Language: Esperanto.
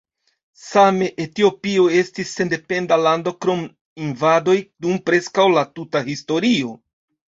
Same Etiopio estis sendependa lando krom invadoj dum preskaŭ la tuta historio.